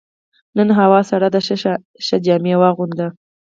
نن هوا سړه ده، ښه جامې واغونده.